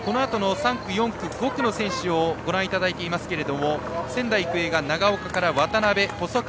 ３区、４区、５区の選手をご覧いただいていますけれども仙台育英が長岡から渡邉、細川。